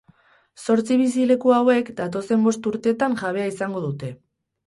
Zortzi bizileku hauek, datozen bost urtetan jabea izango dute.